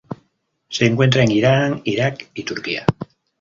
Se encuentra en Irán, Irak y Turquía.